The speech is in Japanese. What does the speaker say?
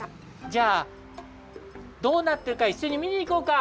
じゃあどうなってるかいっしょにみにいこうか！